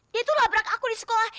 dia itu labrak aku di sekolah